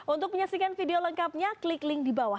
untuk menyaksikan video lengkapnya klik link di bawah